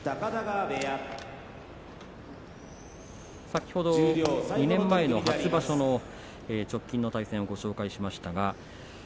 先ほど２年前初場所の直近の対戦を紹介しました。